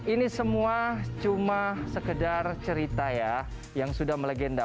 ini semua cuma sekedar cerita ya yang sudah melegenda